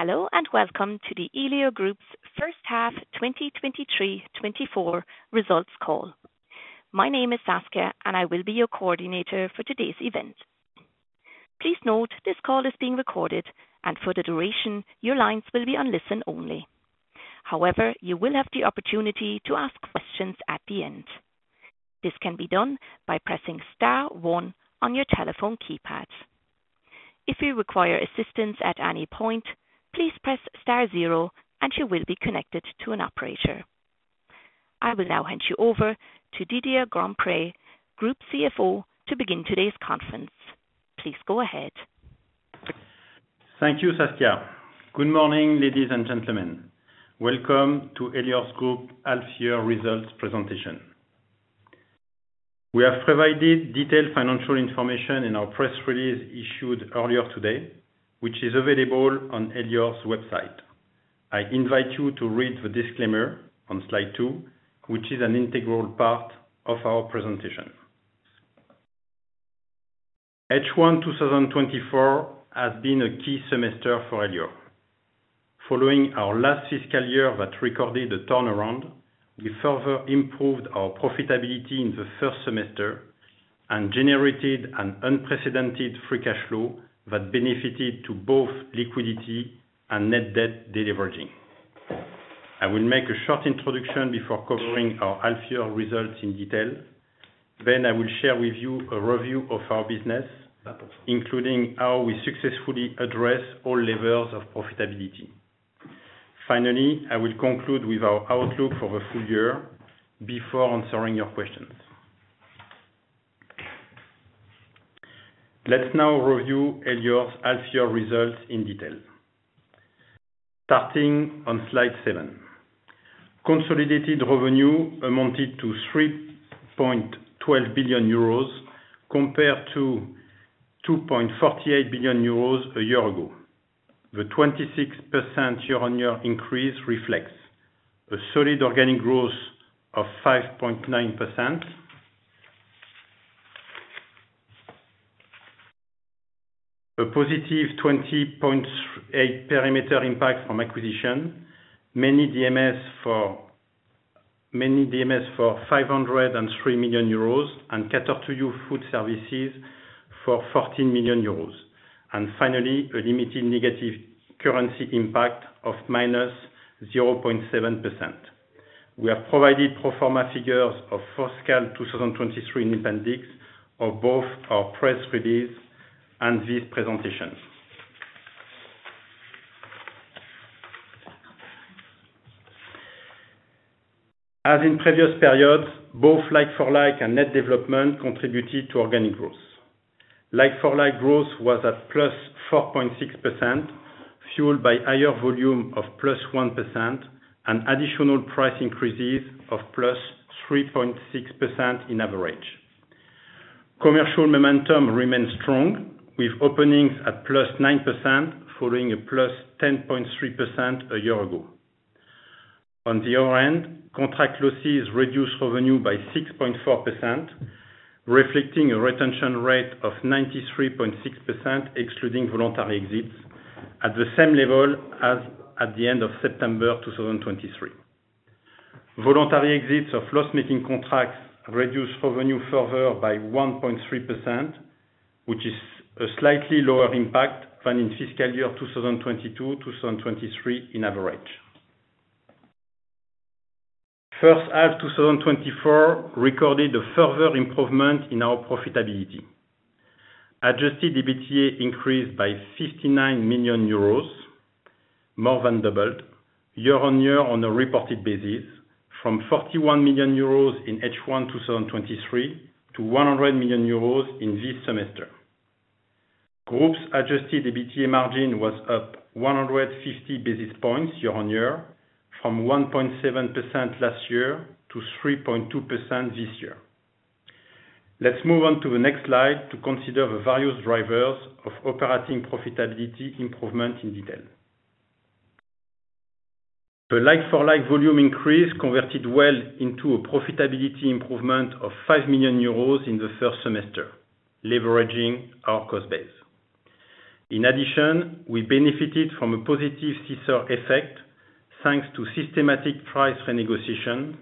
Hello, and welcome to the Elior Group's First Half, 2023-2024 Results Call. My name is Saskia, and I will be your coordinator for today's event. Please note, this call is being recorded, and for the duration, your lines will be on listen only. However, you will have the opportunity to ask questions at the end. This can be done by pressing star one on your telephone keypad. If you require assistance at any point, please press star zero, and you will be connected to an operator. I will now hand you over to Didier Grandpré, Group CFO, to begin today's conference. Please go ahead. Thank you, Saskia. Good morning, ladies and gentlemen. Welcome to Elior Group's Half-Year Results Presentation. We have provided detailed financial information in our press release issued earlier today, which is available on Elior's website. I invite you to read the disclaimer on slide two, which is an integral part of our presentation. H1 2024 has been a key semester for Elior. Following our last fiscal year that recorded a turnaround, we further improved our profitability in the first semester and generated an unprecedented free cash flow that benefited to both liquidity and net debt deleveraging. I will make a short introduction before covering our half-year results in detail. Then I will share with you a review of our business, including how we successfully address all levels of profitability. Finally, I will conclude with our outlook for the full year before answering your questions. Let's now review Elior's half-year results in detail. Starting on slide seven. Consolidated revenue amounted to 3.12 billion euros, compared to 2.48 billion euros a year ago. The 26% year-on-year increase reflects a solid organic growth of 5.9%. A positive 20.8 perimeter impact from acquisition, mainly DMS for 503 million euros and Cater to You Food Services for 14 million euros, and finally, a limited negative currency impact of -0.7%. We have provided pro forma figures of fiscal 2023 in appendix of both our press release and this presentation. As in previous periods, both like-for-like and net development contributed to organic growth. Like-for-like growth was at +4.6%, fueled by higher volume of +1% and additional price increases of +3.6% in average. Commercial momentum remains strong, with openings at +9%, following a +10.3% a year ago. On the other end, contract losses reduced revenue by 6.4%, reflecting a retention rate of 93.6%, excluding voluntary exits, at the same level as at the end of September 2023. Voluntary exits of loss-making contracts reduced revenue further by 1.3%, which is a slightly lower impact than in fiscal year 2022-2023 in average. First half 2024 recorded a further improvement in our profitability. Adjusted EBITDA increased by 59 million euros, more than doubled year-on-year on a reported basis from 41 million euros in H1 2023 to 100 million euros in this semester. Group's adjusted EBITDA margin was up 150 basis points year-on-year, from 1.7% last year to 3.2% this year. Let's move on to the next slide to consider the various drivers of operating profitability improvement in detail. The like-for-like volume increase converted well into a profitability improvement of 5 million euros in the first semester, leveraging our cost base. In addition, we benefited from a positive scissor effect, thanks to systematic price renegotiation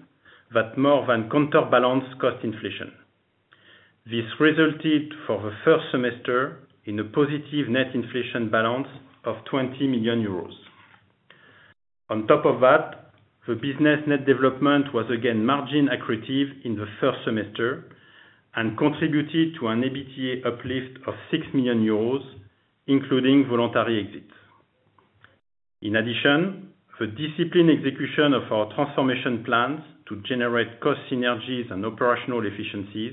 that more than counterbalance cost inflation. This resulted, for the first semester, in a positive net inflation balance of 20 million euros. On top of that, the business net development was again margin accretive in the first semester and contributed to an EBITDA uplift of 6 million euros, including voluntary exits. In addition, the disciplined execution of our transformation plans to generate cost synergies and operational efficiencies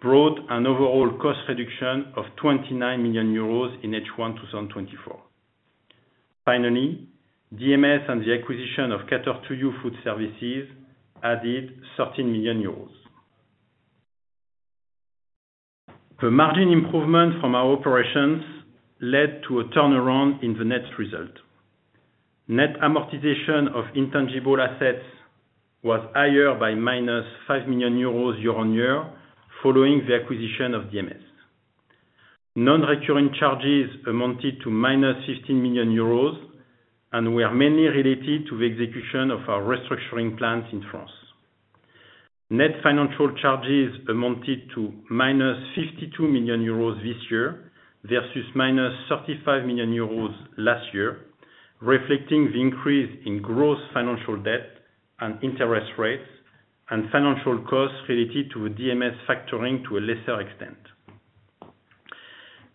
brought an overall cost reduction of 29 million euros in H1 2024. Finally, DMS and the acquisition of Cater To You Food Services added EUR 13 million. The margin improvement from our operations led to a turnaround in the net result. Net amortization of intangible assets was higher by -5 million euros year-on-year, following the acquisition of DMS. Non-recurring charges amounted to -15 million euros, and were mainly related to the execution of our restructuring plans in France. Net financial charges amounted to -52 million euros this year, vs -35 million euros last year, reflecting the increase in gross financial debt and interest rates, and financial costs related to DMS factoring to a lesser extent.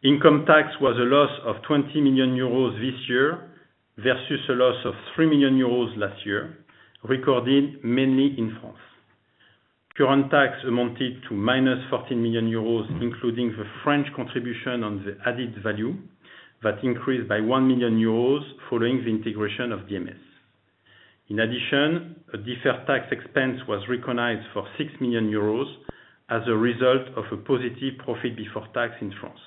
Income tax was a loss of 20 million euros this year, vs a loss of 3 million euros last year, recorded mainly in France. Current tax amounted to -14 million euros, including the French contribution on the added value, that increased by 1 million euros following the integration of DMS. In addition, a deferred tax expense was recognized for 6 million euros as a result of a positive profit before tax in France.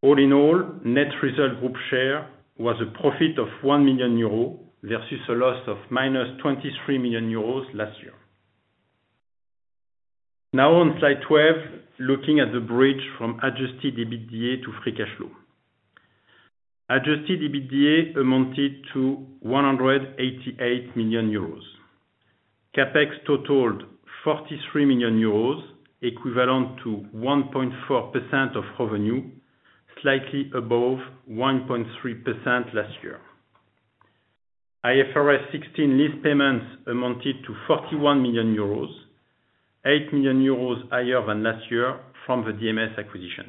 All in all, net result group share was a profit of 1 million euro, vs a loss of -23 million euros last year. Now on slide 12, looking at the bridge from Adjusted EBITDA to free cash flow. Adjusted EBITDA amounted to 188 million euros. CapEx totaled 43 million euros, equivalent to 1.4% of revenue, slightly above 1.3% last year. IFRS 16 lease payments amounted to 41 million euros, 8 million euros higher than last year from the DMS acquisition.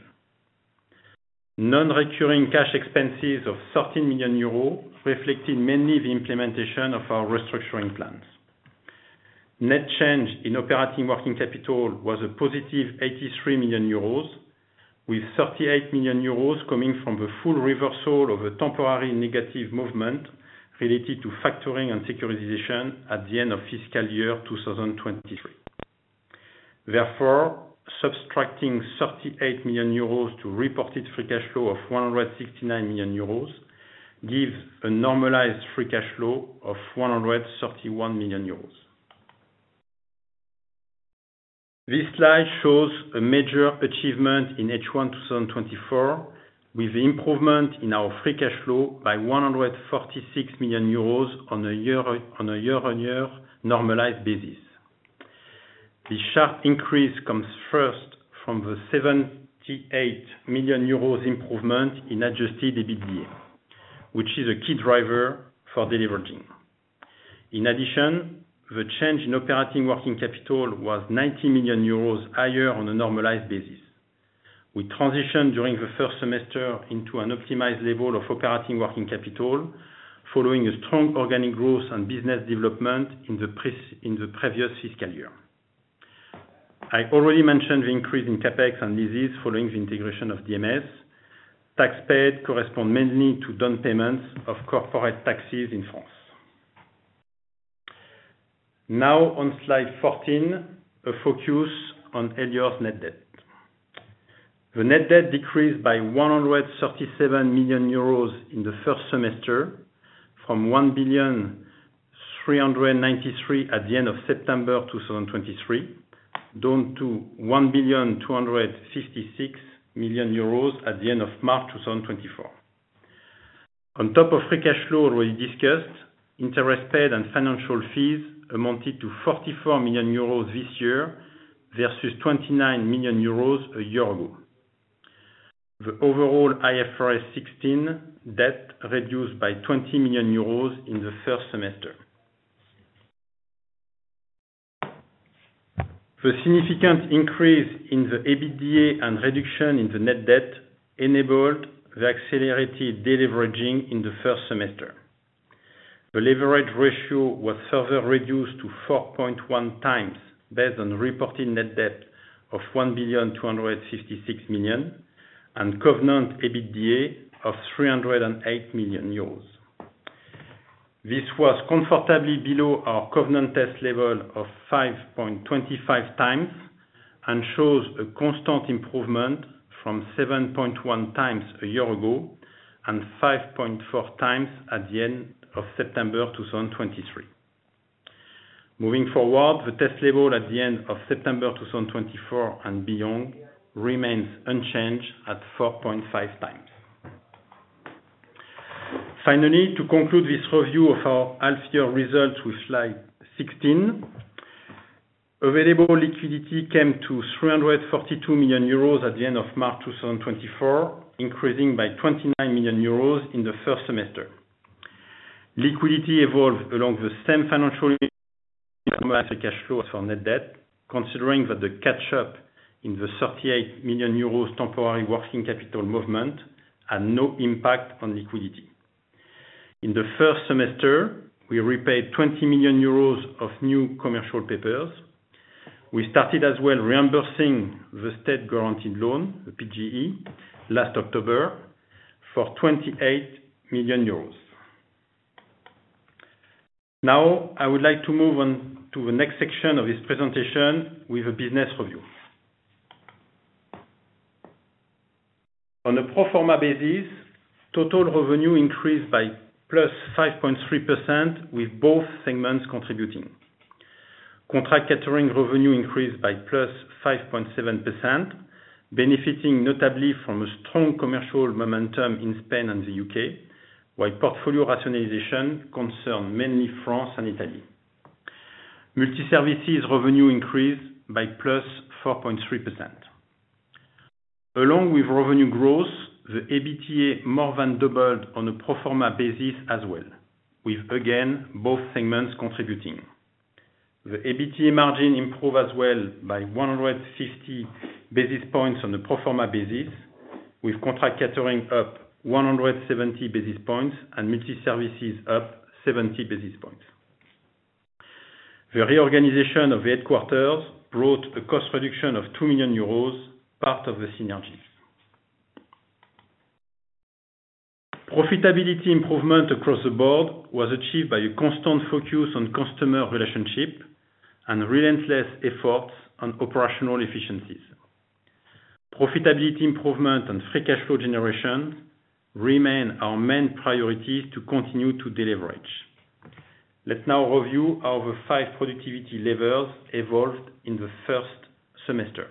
Non-recurring cash expenses of 13 million euros, reflecting mainly the implementation of our restructuring plans. Net change in operating working capital was a positive 83 million euros, with 38 million euros coming from the full reversal of a temporary negative movement related to factoring and securitization at the end of fiscal year 2023. Therefore, subtracting 38 million euros to reported free cash flow of 169 million euros, gives a normalized free cash flow of 131 million euros. This slide shows a major achievement in H1 2024, with improvement in our free cash flow by 146 million euros on a year-on-year normalized basis. The sharp increase comes first from the 78 million euros improvement in adjusted EBITDA, which is a key driver for deleveraging. In addition, the change in operating working capital was 90 million euros higher on a normalized basis. We transitioned during the first semester into an optimized level of operating working capital, following a strong organic growth and business development in the previous fiscal year. I already mentioned the increase in CapEx and leases following the integration of DMS. Tax paid corresponds mainly to down payments of corporate taxes in France. Now, on slide 14, a focus on Elior's net debt. The net debt decreased by 137 million euros in the first semester, from 1,393 million at the end of September 2023, down to 1,266 million euros at the end of March 2024. On top of free cash flow already discussed, interest paid and financial fees amounted to 44 million euros this year, vs 29 million euros a year ago. The overall IFRS 16 debt reduced by 20 million euros in the first semester. The significant increase in the EBITDA and reduction in the net debt enabled the accelerated deleveraging in the first semester. The Leverage Ratio was further reduced to 4.1x, based on reported net debt of 1,256 million, and Covenant EBITDA of 308 million euros. This was comfortably below our covenant test level of 5.25x, and shows a constant improvement from 7.1x a year ago, and 5.4x at the end of September 2023. Moving forward, the test level at the end of September 2024 and beyond, remains unchanged at 4.5x. Finally, to conclude this review of our half year results with slide 16, available liquidity came to 342 million euros at the end of March 2024, increasing by 29 million euros in the first semester. Liquidity evolved along the same financial cash flow for net debt, considering that the catch up in the 38 million euros temporary working capital movement had no impact on liquidity. In the first semester, we repaid 20 million euros of new commercial papers. We started as well, reimbursing the State Guaranteed Loan, the PGE, last October, for 28 million euros. Now, I would like to move on to the next section of this presentation with a business review. On a pro forma basis, total revenue increased by +5.3%, with both segments contributing. Contract catering revenue increased by +5.7%, benefiting notably from a strong commercial momentum in Spain and the U.K., while portfolio rationalization concerned mainly France and Italy. Multiservices revenue increased by +4.3%. Along with revenue growth, the EBITDA more than doubled on a pro forma basis as well, with, again, both segments contributing. The EBITDA margin improved as well by 150 basis points on the pro forma basis, with contract catering up 170 basis points and multiservices up 70 basis points. The reorganization of the headquarters brought a cost reduction of 2 million euros, part of the synergies. Profitability improvement across the board was achieved by a constant focus on customer relationship and relentless efforts on operational efficiencies. Profitability improvement and free cash flow generation remain our main priorities to continue to deleverage. Let's now review how the five productivity levers evolved in the first semester.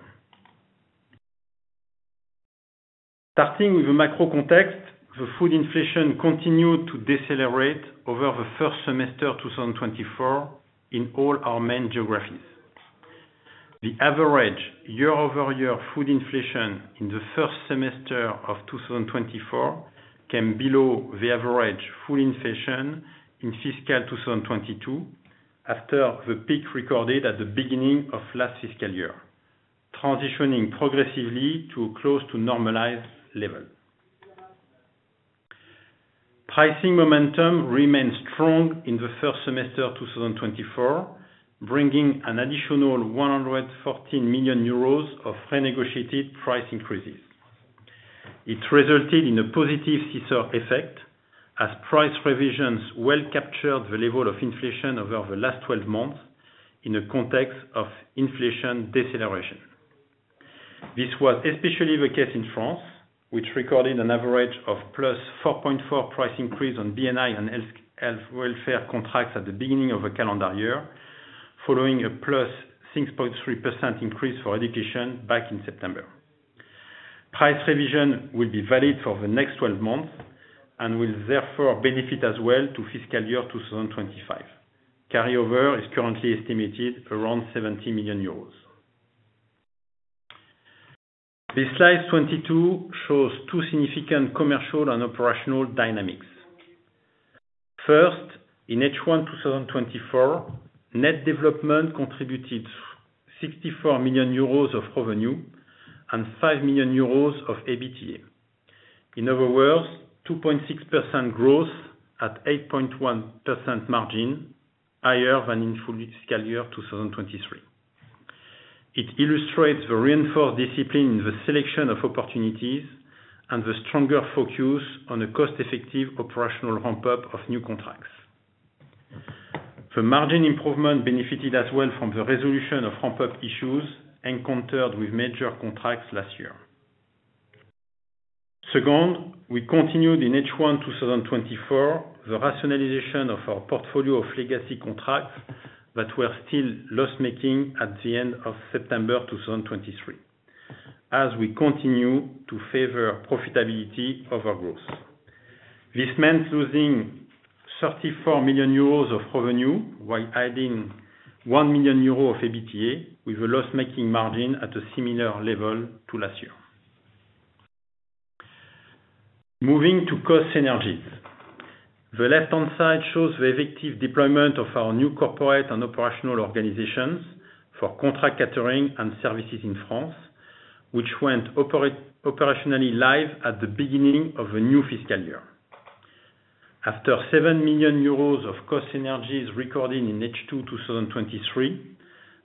Starting with the macro context, the food inflation continued to decelerate over the first semester, 2024, in all our main geographies. The average year-over-year food inflation in the first semester of 2024 came below the average food inflation in fiscal 2022, after the peak recorded at the beginning of last fiscal year, transitioning progressively to a close to normalized level. Pricing momentum remained strong in the first semester of 2024, bringing an additional 114 million euros of renegotiated price increases. It resulted in a positive scissor effect, as price revisions well captured the level of inflation over the last 12 months in a context of inflation deceleration. This was especially the case in France, which recorded an average of +4.4% price increase on B&I and Health & Welfare contracts at the beginning of a calendar year, following a +6.3% increase for education back in September. Price revision will be valid for the next 12 months and will therefore benefit as well to fiscal year 2025. Carryover is currently estimated around 70 million euros. This slide 22 shows two significant commercial and operational dynamics. First, in H1 2024, net development contributed 64 million euros of revenue and 5 million euros of EBITDA. In other words, 2.6% growth at 8.1% margin, higher than in full fiscal year 2023. It illustrates the reinforced discipline in the selection of opportunities and the stronger focus on a cost-effective operational ramp-up of new contracts. The margin improvement benefited as well from the resolution of ramp-up issues encountered with major contracts last year. Second, we continued in H1 2024 the rationalization of our portfolio of legacy contracts that were still loss-making at the end of September 2023, as we continue to favor profitability over growth. This meant losing 34 million euros of revenue, while adding 1 million euros of EBITDA, with a loss-making margin at a similar level to last year. Moving to cost synergies. The left-hand side shows the effective deployment of our new corporate and operational organizations for contract catering and services in France, which went operationally live at the beginning of the new fiscal year. After 7 million euros of cost synergies recorded in H2 2023,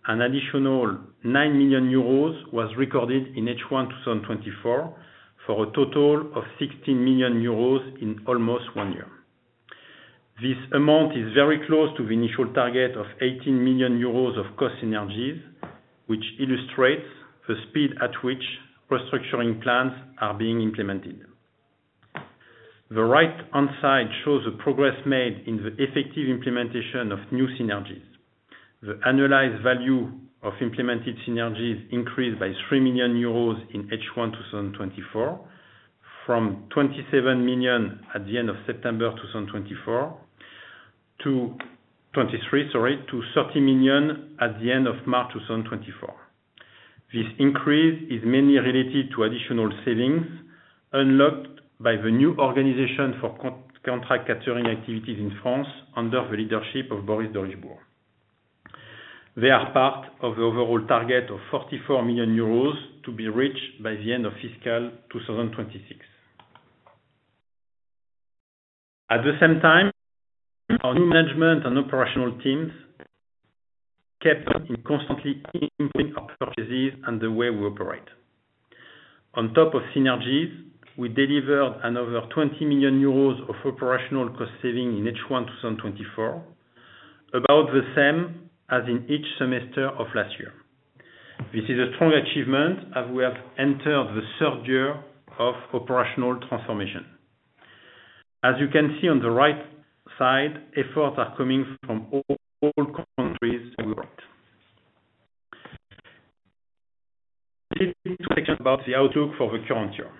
an additional 9 million euros was recorded in H1 2024, for a total of 16 million euros in almost one year. This amount is very close to the initial target of 18 million euros of cost synergies, which illustrates the speed at which restructuring plans are being implemented. The right-hand side shows the progress made in the effective implementation of new synergies. The annualized value of implemented synergies increased by 3 million euros in H1 2024, from 27 million at the end of September 2024, to twenty-three, sorry, to 30 million at the end of March 2024. This increase is mainly related to additional savings unlocked by the new organization for contract catering activities in France under the leadership of Boris Derichebourg. They are part of the overall target of 44 million euros to be reached by the end of fiscal 2026. At the same time, our new management and operational teams kept on constantly improving our purchases and the way we operate. On top of synergies, we delivered another 20 million euros of operational cost saving in H1 2024... about the same as in each semester of last year. This is a strong achievement, as we have entered the third year of operational transformation. As you can see on the right side, efforts are coming from all countries we work. Section about the outlook for the current year.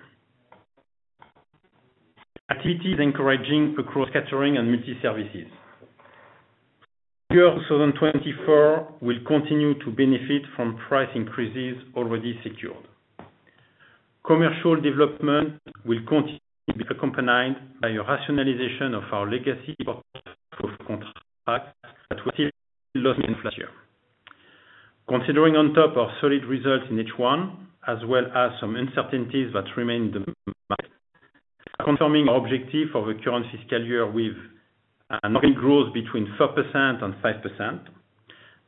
Activity is encouraging across catering and multi-services. 2024 will continue to benefit from price increases already secured. Commercial development will continue to be accompanied by a rationalization of our legacy of contract that will last year. Considering on top of solid results in H1, as well as some uncertainties that remain in the market, confirming our objective for the current fiscal year with an organic growth between 4% and 5%,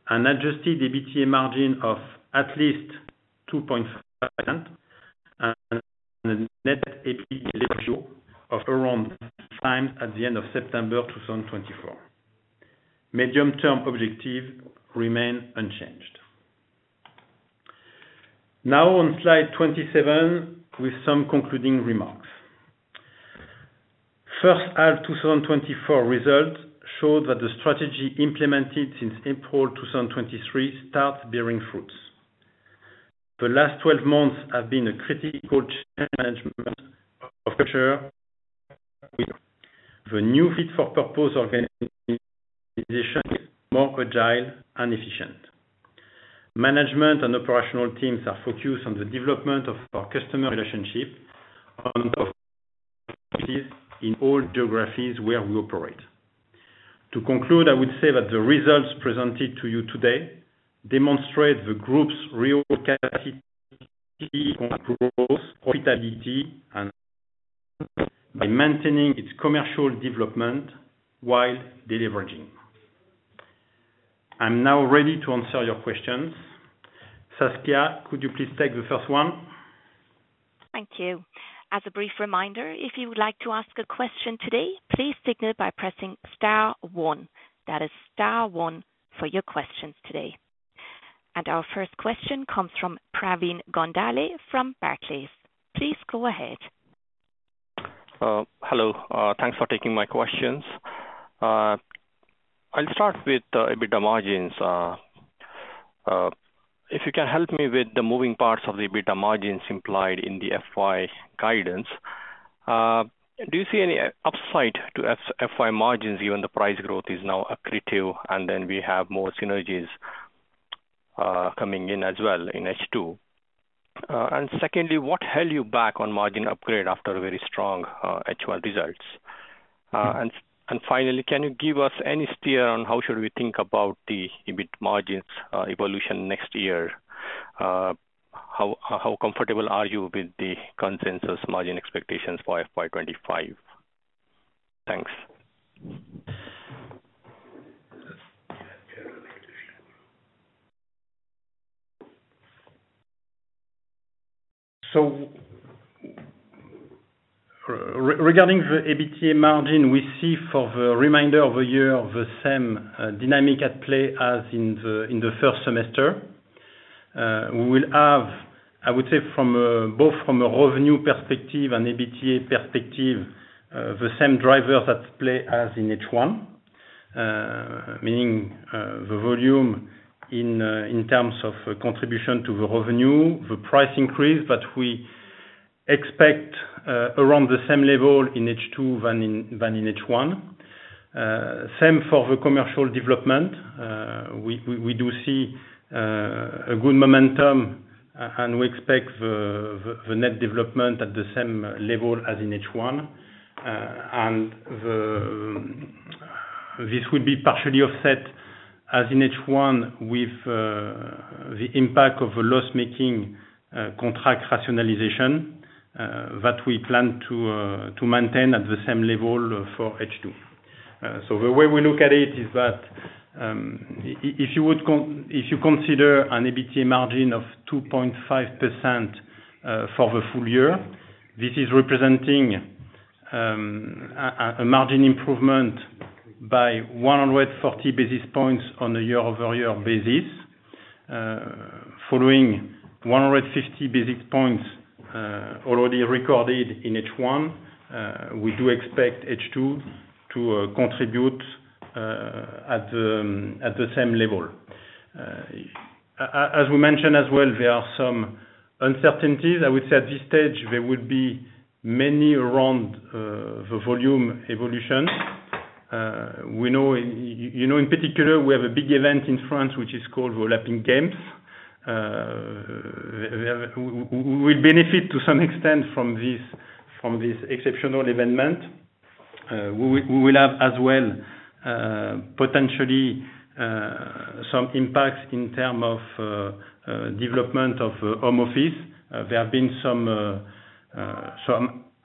an adjusted EBITDA margin of at least 2.5%, and a net debt to EBITDA of around 2x at the end of September 2024. Medium term objective remain unchanged. Now, on slide 27, with some concluding remarks. First, our 2024 results showed that the strategy implemented since April 2023 starts bearing fruits. The last 12 months have been a critical change management of culture. The new fit for purpose organization is more agile and efficient. Management and operational teams are focused on the development of our customer relationship in all geographies where we operate. To conclude, I would say that the results presented to you today demonstrate the group's real capacity, growth, profitability, and by maintaining its commercial development while deleveraging. I'm now ready to answer your questions. Saskia, could you please take the first one? Thank you. As a brief reminder, if you would like to ask a question today, please signal by pressing star one. That is star one for your questions today. Our first question comes from Pravin Gondhale, from Barclays. Please go ahead. Hello. Thanks for taking my questions. I'll start with EBITDA margins. If you can help me with the moving parts of the EBITDA margins implied in the FY guidance, do you see any upside to FY margins, even the price growth is now accretive, and then we have more synergies coming in as well in H2? And secondly, what held you back on margin upgrade after very strong H1 results? And finally, can you give us any steer on how should we think about the EBIT margins evolution next year? How comfortable are you with the consensus margin expectations for FY 2025? Thanks. So regarding the EBITDA margin, we see for the remainder of the year, the same dynamic at play as in the first semester. We will have, I would say, from both from a revenue perspective and EBITDA perspective, the same driver that play as in H1, meaning the volume in terms of contribution to the revenue, the price increase, but we expect around the same level in H2 than in H1. Same for the commercial development. We do see a good momentum, and we expect the net development at the same level as in H1. This will be partially offset, as in H1, with the impact of a loss-making contract rationalization that we plan to maintain at the same level for H2. So the way we look at it is that, if you consider an EBITDA margin of 2.5% for the full year, this is representing a margin improvement by 140 basis points on a year-over-year basis. Following 150 basis points already recorded in H1, we do expect H2 to contribute at the same level. As we mentioned as well, there are some uncertainties. I would say at this stage, there would be many around the volume evolution. We know, you know, in particular, we have a big event in France, which is called the Olympic Games. We benefit to some extent from this, from this exceptional event. We will have as well, potentially, some impacts in terms of development of home office. There have been some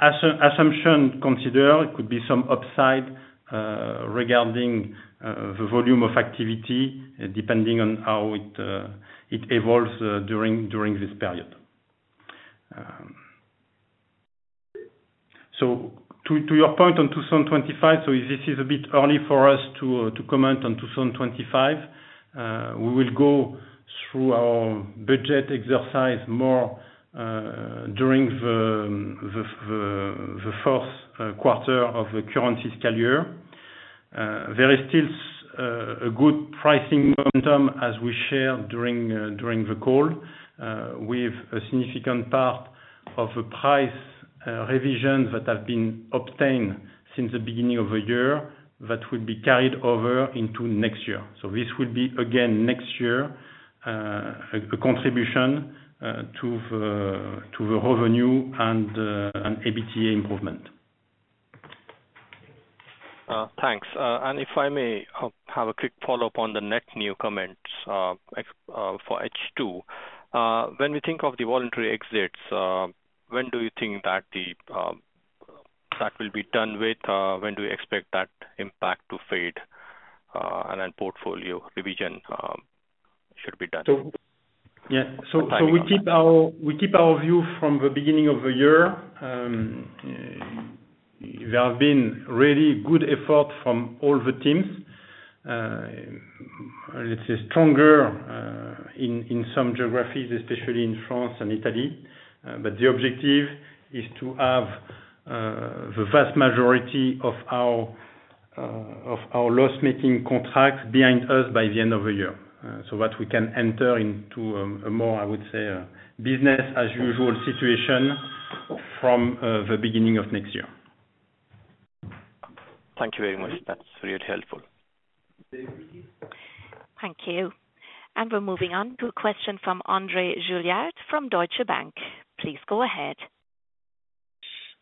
assumptions considered; it could be some upside regarding the volume of activity, depending on how it evolves during this period. So to your point on 2025, so this is a bit early for us to comment on 2025. We will go through our budget exercise more during the first quarter of the current fiscal year. There is still a good pricing momentum as we share during the call, with a significant part of the price revisions that have been obtained since the beginning of the year, that will be carried over into next year. So this will be, again, next year, a contribution to the revenue and an EBITDA improvement. Thanks. If I may, have a quick follow-up on the net new comments, ex- for H2. When we think of the voluntary exits, when do you think that the, that will be done with? When do you expect that impact to fade, and then portfolio revision, should be done? So, yeah. Thank you. So we keep our view from the beginning of the year. There have been really good effort from all the teams. Let's say stronger in some geographies, especially in France and Italy. But the objective is to have the vast majority of our loss-making contracts behind us by the end of the year. So that we can enter into a more, I would say, business as usual situation from the beginning of next year. Thank you very much. That's really helpful. Thank you. We're moving on to a question from André Juillard, from Deutsche Bank. Please go ahead.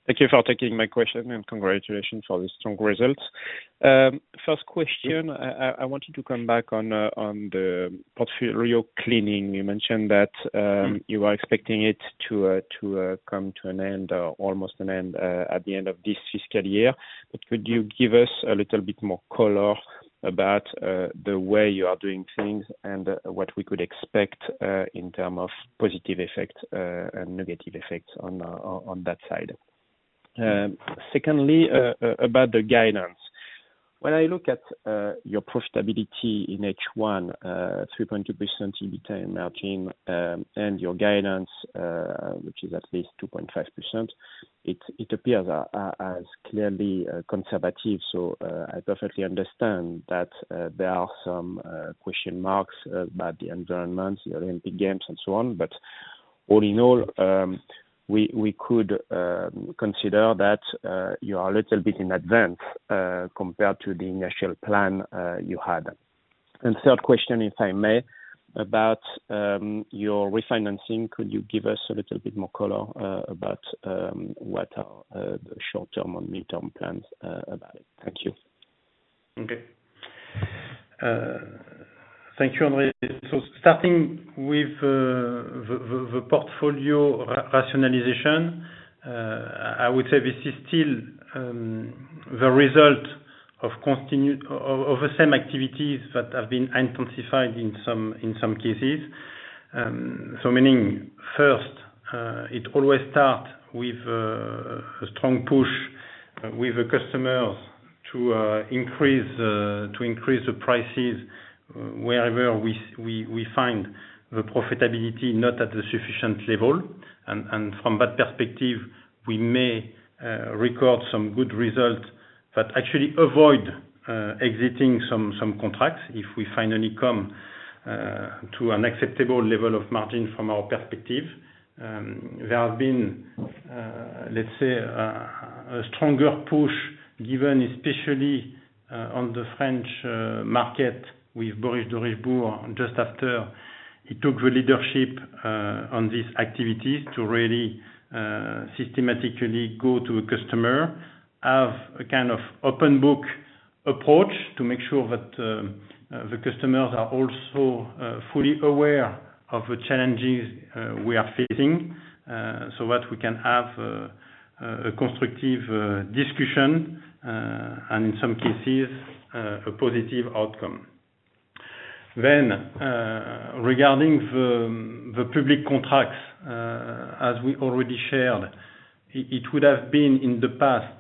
Thank you for taking my question, and congratulations for the strong results. First question, I want you to come back on the portfolio cleaning. You mentioned that you are expecting it to come to an end or almost an end at the end of this fiscal year. But could you give us a little bit more color about the way you are doing things and what we could expect in terms of positive effects and negative effects on that side? Secondly, about the guidance. When I look at your profitability in H1, 3.2% EBITDA margin, and your guidance, which is at least 2.5%, it appears as clearly conservative. So, I perfectly understand that there are some question marks about the environment, the Olympic Games, and so on. But all in all, we could consider that you are a little bit in advance compared to the initial plan you had. Third question, if I may, about your refinancing. Could you give us a little bit more color about what are the short-term and mid-term plans about it? Thank you. Okay. Thank you, Andre. So starting with the portfolio rationalization, I would say this is still the result of continued over the same activities that have been intensified in some cases. So meaning first, it always start with a strong push with the customers to increase the prices wherever we find the profitability not at the sufficient level. And from that perspective, we may record some good results, but actually avoid exiting some contracts if we finally come to an acceptable level of margin from our perspective. There have been, let's say, a stronger push given especially, on the French market with Boris Derichebourg, just after he took the leadership, on these activities, to really, systematically go to a customer, have a kind of open book approach to make sure that, the customers are also, fully aware of the challenges, we are facing, so that we can have, a constructive, discussion, and in some cases, a positive outcome. Then, regarding the public contracts, as we already shared, it would have been, in the past,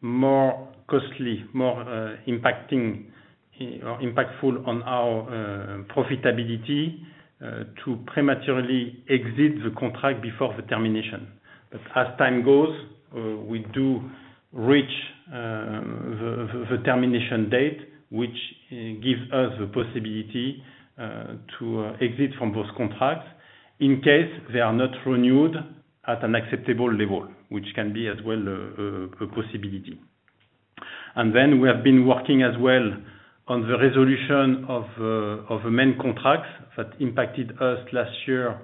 more costly, more impactful on our profitability, to prematurely exit the contract before the termination. But as time goes, we do reach the termination date, which gives us the possibility to exit from those contracts in case they are not renewed at an acceptable level, which can be as well a possibility. Then we have been working as well on the resolution of the main contracts that impacted us last year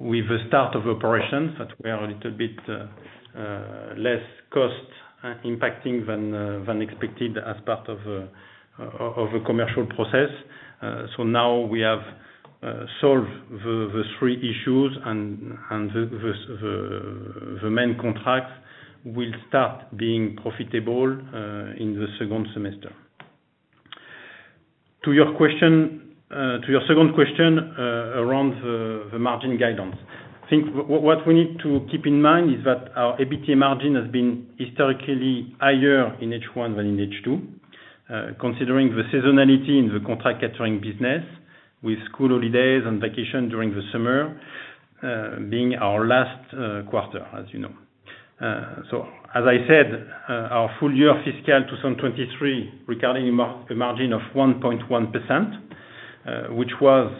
with the start of operations that we are a little bit less cost impacting than expected as part of a commercial process. So now we have solved the three issues and the main contracts will start being profitable in the second semester. To your second question around the margin guidance. I think what we need to keep in mind is that our EBITDA margin has been historically higher in H1 than in H2. Considering the seasonality in the contract catering business, with school holidays and vacation during the summer, being our last quarter, as you know. So as I said, our full-year fiscal 2023, regarding the margin of 1.1%, which was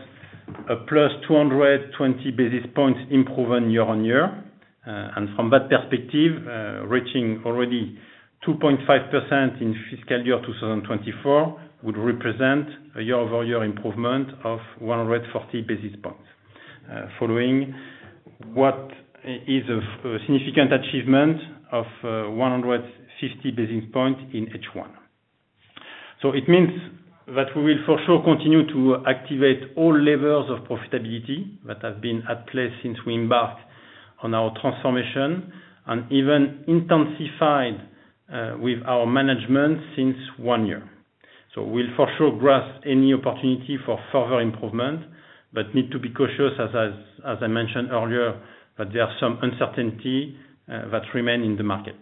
a +220 basis points improvement year-on-year. And from that perspective, reaching already 2.5% in fiscal year 2024, would represent a year-over-year improvement of 140 basis points, following what is a significant achievement of 150 basis points in H1. So it means that we will for sure continue to activate all levels of profitability that have been at play since we embarked on our transformation, and even intensified, with our management since one year. So we'll for sure grasp any opportunity for further improvement, but need to be cautious, as I mentioned earlier, that there are some uncertainty that remain in the market.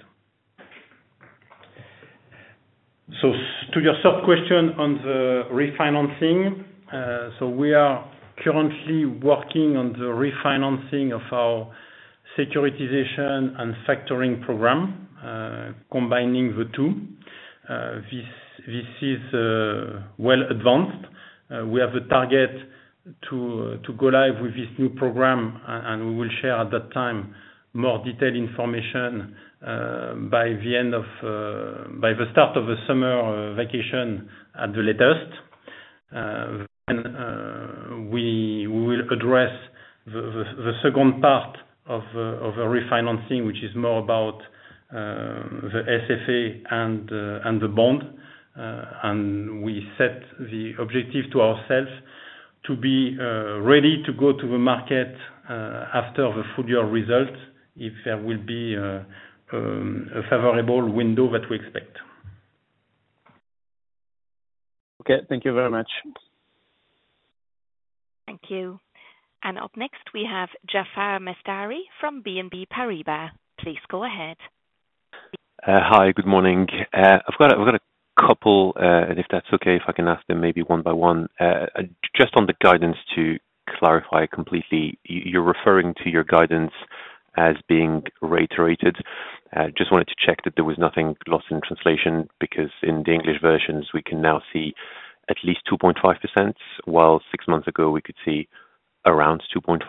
So to your sub-question on the refinancing, so we are currently working on the refinancing of our securitization and factoring program, combining the two. This is well advanced. We have a target to go live with this new program, and we will share at that time, more detailed information, by the end of, by the start of the summer vacation at the latest. We will address the second part of a refinancing, which is more about the SFA and the bond. We set the objective to ourselves to be ready to go to the market after the full year results, if there will be a favorable window that we expect. Okay, thank you very much. Thank you. Up next, we have Jaafar Mestari from BNP Paribas. Please go ahead. Hi, good morning. I've got a couple, and if that's okay, if I can ask them maybe one by one. Just on the guidance to clarify completely, you're referring to your guidance as being reiterated. Just wanted to check that there was nothing lost in translation, because in the English versions, we can now see at least 2.5%, while six months ago, we could see around 2.5%,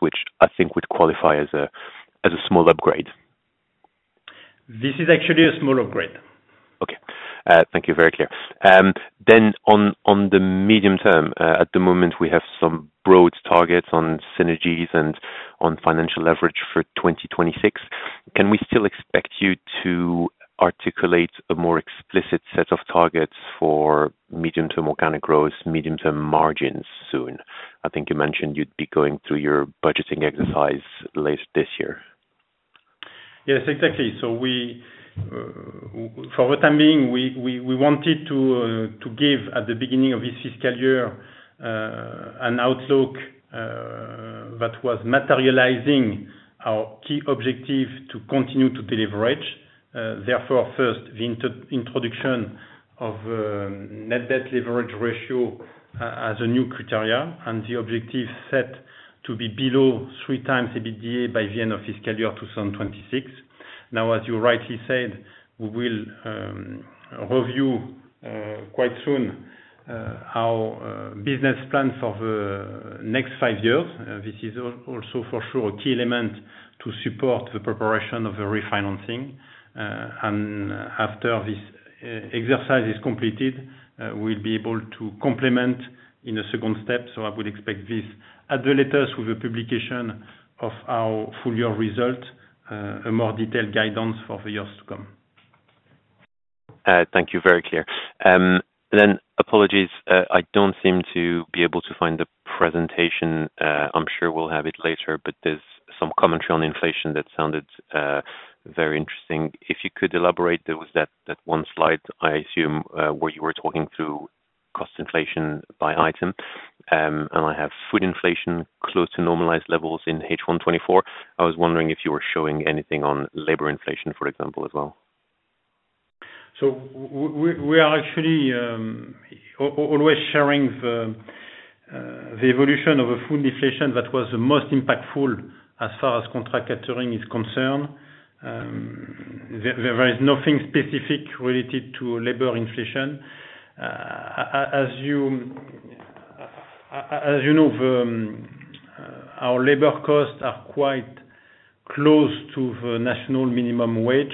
which I think would qualify as a small upgrade. This is actually a small upgrade. Okay. Thank you, very clear. Then on the medium term, at the moment, we have some broad targets on synergies and on financial leverage for 2026. Can we still expect you to articulate a more explicit set of targets for medium-term organic growth, medium-term margins soon? I think you mentioned you'd be going through your budgeting exercise later this year. Yes, exactly. So we, for the time being, we wanted to give at the beginning of this fiscal year, an outlook that was materializing our key objective to continue to deleverage. Therefore, first, the introduction of net debt leverage ratio as a new criterion, and the objective set to be below 3x EBITDA by the end of fiscal year 2026. Now, as you rightly said, we will review quite soon our business plans for the next five years. This is also for sure a key element to support the preparation of the refinancing. And after this exercise is completed, we'll be able to complement in a second step. So I would expect this at the latest, with the publication of our full year results, a more detailed guidance for the years to come. Thank you, very clear. Then apologies, I don't seem to be able to find the presentation. I'm sure we'll have it later, but there's some commentary on inflation that sounded, very interesting. If you could elaborate, there was that, that one slide, I assume, where you were talking through cost inflation by item. And I have food inflation close to normalized levels in H1 2024. I was wondering if you were showing anything on labor inflation, for example, as well. So we are actually always sharing the evolution of a food inflation that was the most impactful as far as contract catering is concerned. There is nothing specific related to labor inflation. As you know, our labor costs are quite close to the national minimum wage,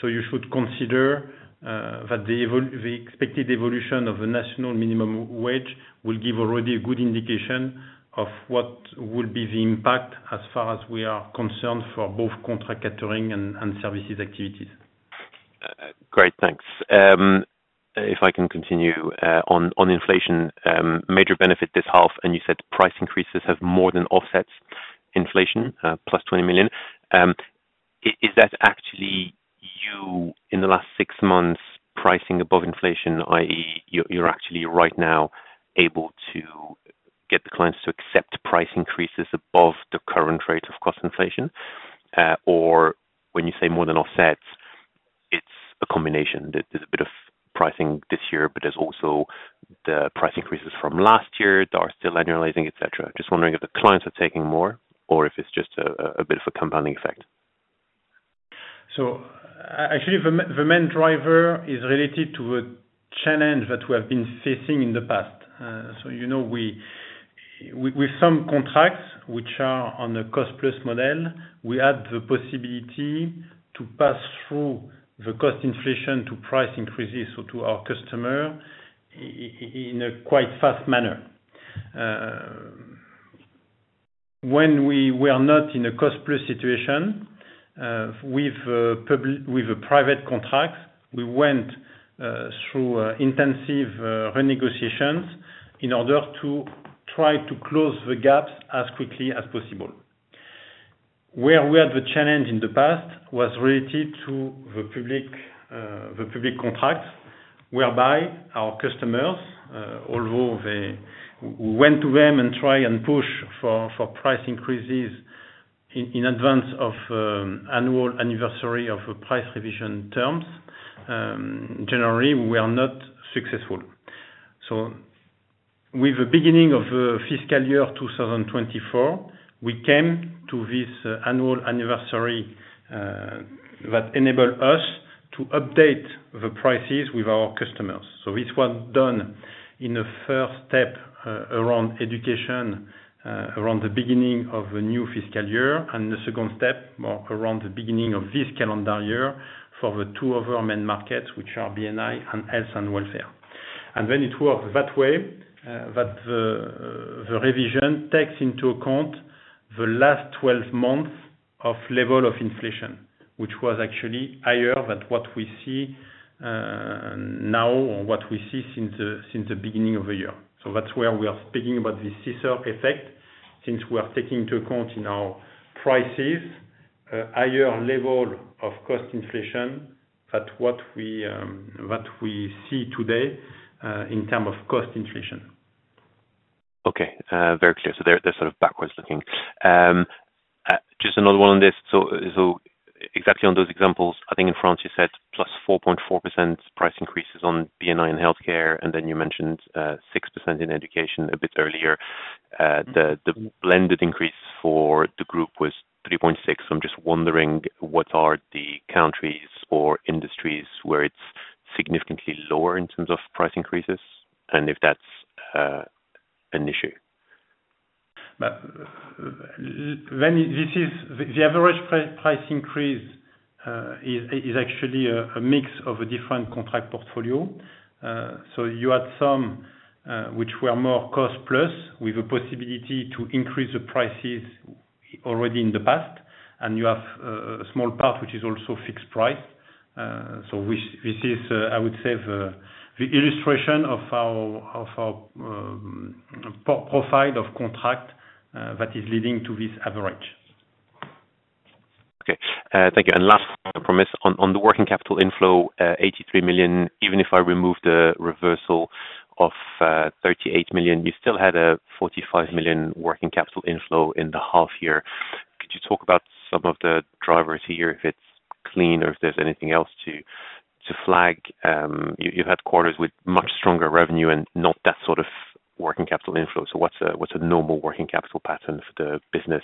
so you should consider that the expected evolution of the national minimum wage will give already a good indication of what will be the impact as far as we are concerned for both contract catering and services activities. Great, thanks. If I can continue on inflation, major benefit this half, and you said price increases have more than offsets inflation, + 20 million. Is that actually... In the last six months, pricing above inflation, i.e., you're actually right now able to get the clients to accept price increases above the current rate of cost inflation? Or when you say more than offsets, it's a combination, that there's a bit of pricing this year, but there's also the price increases from last year that are still annualizing, et cetera. Just wondering if the clients are taking more or if it's just a bit of a compounding effect. Actually, the main driver is related to a challenge that we have been facing in the past. So you know, we with some contracts which are on a cost-plus model, we had the possibility to pass through the cost inflation to price increases to our customer in a quite fast manner. When we were not in a cost-plus situation, with a private contract, we went through intensive renegotiations in order to try to close the gaps as quickly as possible. Where we had the challenge in the past, was related to the public contracts, whereby our customers, although they... We went to them and try and push for price increases in advance of annual anniversary of a price revision terms, generally, we are not successful. So with the beginning of fiscal year 2024, we came to this annual anniversary that enabled us to update the prices with our customers. So it was done in a first step around education around the beginning of the new fiscal year, and the second step, more around the beginning of this calendar year for the two of our main markets, which are B&I and health and welfare. When it works that way, the revision takes into account the last 12 months of level of inflation, which was actually higher than what we see now, or what we see since the beginning of the year. So that's where we are speaking about this Scissor Effect, since we are taking into account in our prices a higher level of cost inflation than what we see today in terms of cost inflation. Okay, very clear. So they're, they're sort of backwards looking. Just another one on this. So, so exactly on those examples, I think in France, you said +4.4% price increases on B&I and healthcare, and then you mentioned, 6% in education a bit earlier. The, the blended increase for the group was 3.6. I'm just wondering, what are the countries or industries where it's significantly lower in terms of price increases, and if that's, an issue? But when this is. The average price increase is actually a mix of different contract portfolio. So you had some which were more cost-plus, with a possibility to increase the prices already in the past, and you have a small part, which is also fixed price. So this is, I would say, the illustration of our profile of contract that is leading to this average. Okay, thank you. And last, I promise, on the working capital inflow, 83 million, even if I remove the reversal of 38 million, you still had a 45 million working capital inflow in the half year. Could you talk about some of the drivers here, if it's clean or if there's anything else to flag? You had quarters with much stronger revenue and not that sort of working capital inflow. So what's a normal working capital pattern for the business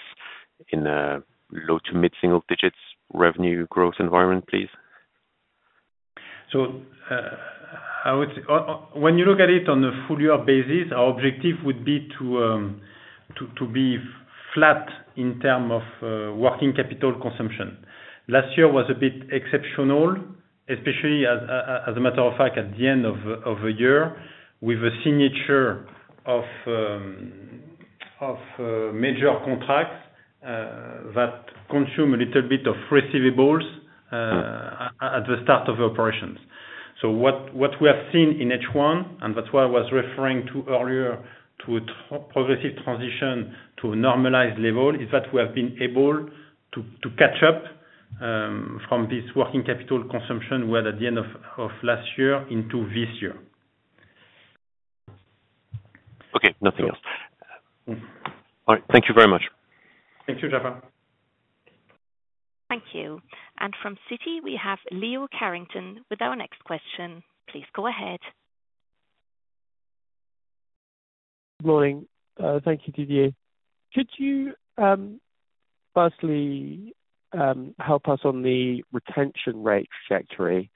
in a low to mid-single digits revenue growth environment, please? So, I would say, when you look at it on a full year basis, our objective would be to be flat in terms of working capital consumption. Last year was a bit exceptional, especially as a matter of fact, at the end of the year, with the signature of major contracts that consume a little bit of receivables at the start of operations. So what we have seen in H1, and that's what I was referring to earlier, to a progressive transition to a normalized level, is that we have been able to catch up from this working capital consumption we had at the end of last year into this year. Okay, nothing else. Mm. All right. Thank you very much. Thank you, Jaafar. Thank you. And from Citi, we have Leo Carrington with our next question. Please go ahead. Morning. Thank you, Didier. Could you, firstly, help us on the retention rate trajectory?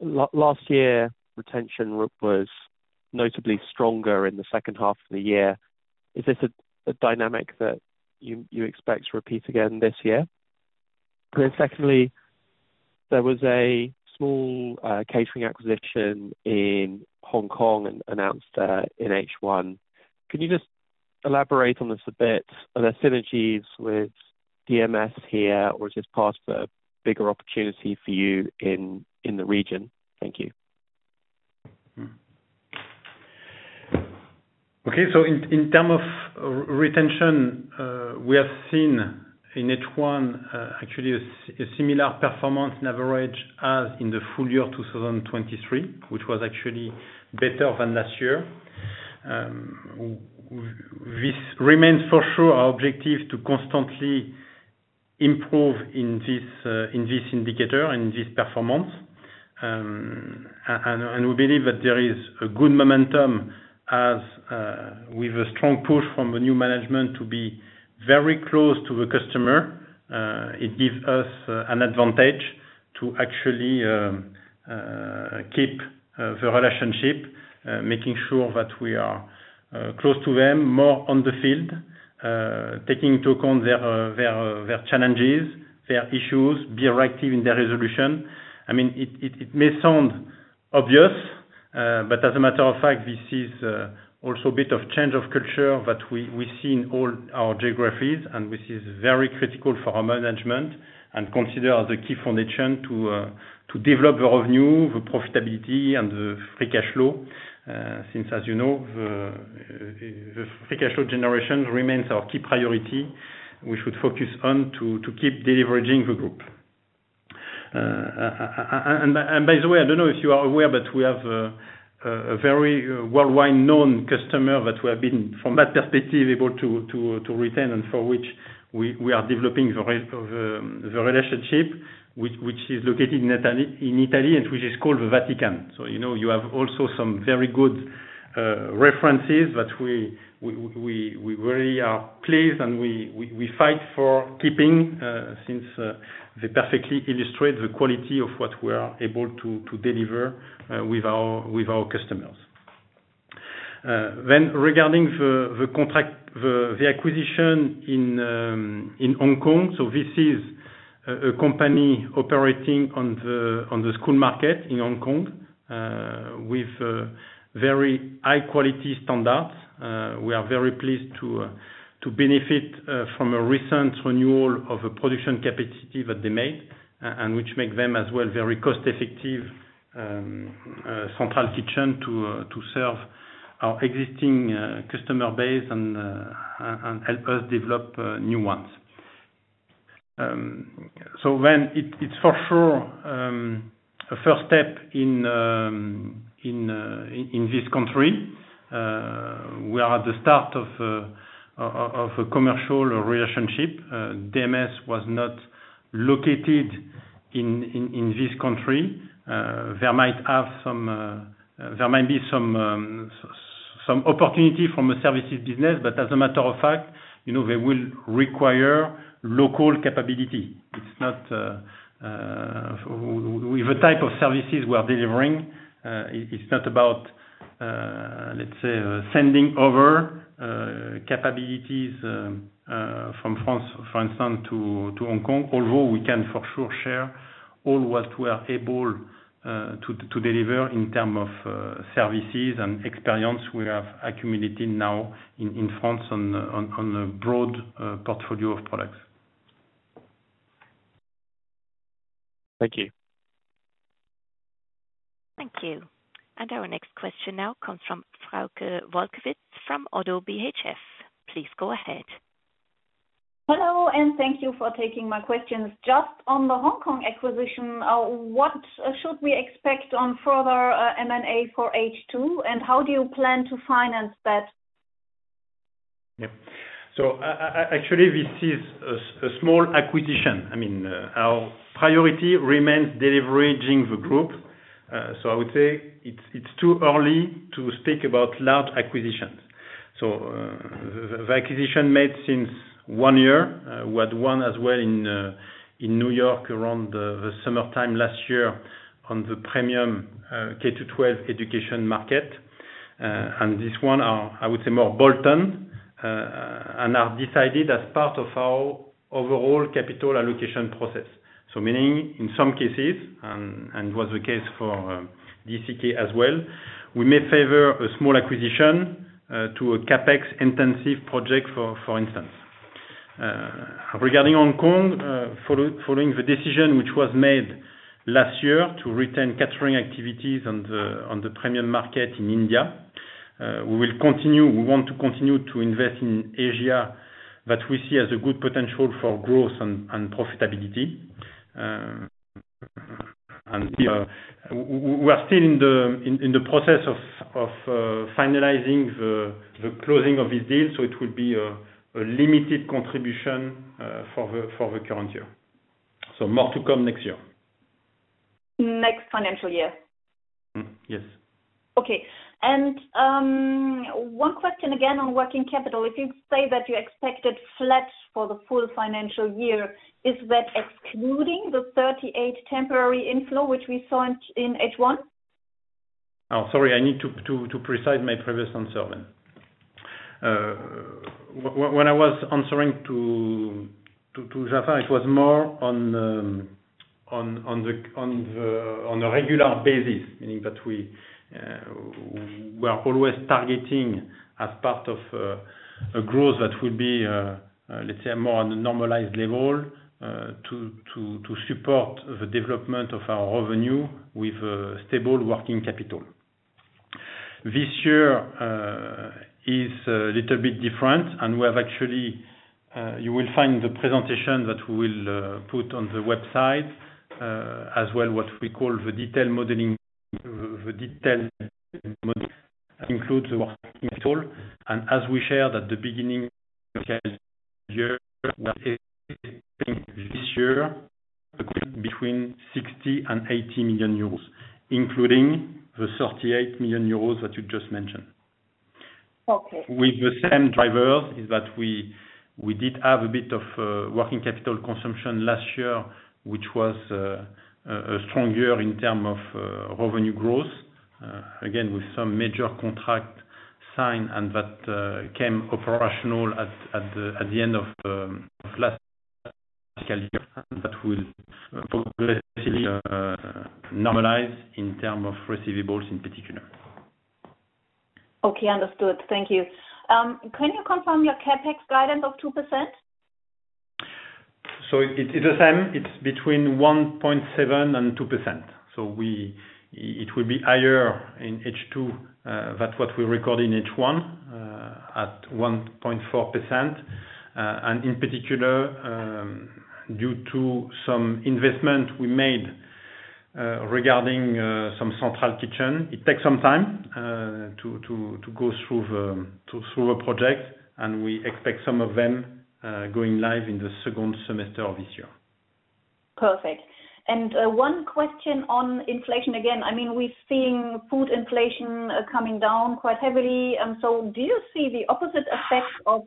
Last year, retention was notably stronger in the second half of the year. Is this a dynamic that you expect to repeat again this year? Then secondly, there was a small catering acquisition in Hong Kong announced in H1. Can you just elaborate on this a bit? Are there synergies with DMS here, or is this part of a bigger opportunity for you in the region? Thank you.... Okay, so in terms of retention, we have seen in H1, actually a similar performance and average as in the full year of 2023, which was actually better than last year. This remains for sure our objective to constantly improve in this indicator, in this performance. And we believe that there is a good momentum as with a strong push from the new management to be very close to the customer. It gives us an advantage to actually keep the relationship, making sure that we are close to them, more on the field, taking into account their challenges, their issues, be proactive in their resolution. I mean, it may sound obvious, but as a matter of fact, this is also a bit of change of culture that we see in all our geographies, and which is very critical for our management, and consider the key foundation to develop the revenue, the profitability, and the Free Cash Flow. Since, as you know, the Free Cash Flow generation remains our key priority, we should focus on to keep deleveraging the group. And by the way, I don't know if you are aware, but we have a very worldwide known customer that we have been, from that perspective, able to retain, and for which we are developing the relationship, which is located in Italy, and which is called the Vatican. So, you know, you have also some very good references that we really are pleased, and we fight for keeping, since they perfectly illustrate the quality of what we are able to deliver with our customers. Then regarding the contract, the acquisition in Hong Kong, so this is a company operating on the school market in Hong Kong with very high quality standards. We are very pleased to benefit from a recent renewal of a production capacity that they made, and which make them as well, very cost effective, central kitchen to serve our existing customer base and and help us develop new ones. So when it's for sure, a first step in in this country, we are at the start of of a commercial relationship. DMS was not located in in this country. There might be some some opportunity from a services business, but as a matter of fact, you know, they will require local capability. It's not... With the type of services we are delivering, it's not about, let's say, sending over capabilities from France, for instance, to Hong Kong. Although we can, for sure, share all what we are able to deliver in terms of services and experience we have accumulated now in France on a broad portfolio of products. Thank you. Thank you. Our next question now comes from Frauke Wolkowitz from Oddo BHF. Please go ahead. Hello, and thank you for taking my questions. Just on the Hong Kong acquisition, what should we expect on further, M&A for H2, and how do you plan to finance that? Yeah. So actually, this is a small acquisition. I mean, our priority remains deleveraging the group. So, I would say it's too early to speak about large acquisitions. So, the acquisition made since one year, we had one as well in New York around the summertime last year on the premium K-12 education market. And this one are, I would say, more bolt-on, and are decided as part of our overall capital allocation process. So meaning, in some cases, and was the case for the U.K. as well, we may favor a small acquisition to a CapEx-intensive project, for instance. Regarding Hong Kong, following the decision which was made last year to retain catering activities on the premium market in India, we will continue, we want to continue to invest in Asia, that we see as a good potential for growth and profitability. And we are still in the process of finalizing the closing of this deal, so it will be a limited contribution for the current year. So more to come next year. Next financial year? Mm. Yes. Okay. One question again on working capital. If you say that you expected flat for the full financial year, is that excluding the 38 temporary inflow, which we saw in H1? Oh, sorry, I need to precise my previous answer then. When I was answering to Jaffar, it was more on a regular basis, meaning that we are always targeting as part of a growth that will be, let's say, more on a normalized level, to support the development of our revenue with a stable working capital. This year is a little bit different, and we have actually you will find the presentation that we will put on the website as well, what we call the detailed modeling, the detailed model includes the working capital. And as we shared at the beginning of the year, this year, between 60 million and 80 million euros, including the 38 million euros that you just mentioned. Okay. With the same drivers, is that we did have a bit of working capital consumption last year, which was a strong year in terms of revenue growth. Again, with some major contract signed and that came operational at the end of last fiscal year. That will normalize in terms of receivables in particular. Okay, understood. Thank you. Can you confirm your CapEx guidance of 2%? So it's the same. It's between 1.7% and 2%. So it will be higher in H2 than what we record in H1 at 1.4%. And in particular, due to some investment we made, regarding some central kitchen, it takes some time to go through a project, and we expect some of them going live in the second semester of this year. Perfect. One question on inflation again. I mean, we're seeing food inflation coming down quite heavily. And so do you see the opposite effect of